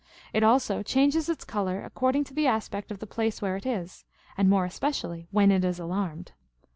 It also changes its colour^* according to the aspect of the place where it is, and more especially when it is alarmed.